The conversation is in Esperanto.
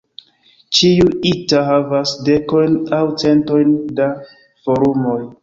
Ĉiuj "ita" havas dekojn aŭ centojn da forumoj.